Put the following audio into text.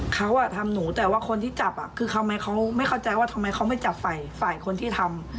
เขาทำหนูแต่ว่าคนที่จับคือเขาไหมเขาไม่เข้าใจว่าทำไมเขาไม่จับฝ่ายคนที่ทำ